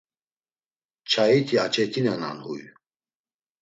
Çayiti açetinenan huy!